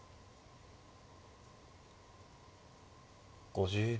５０秒。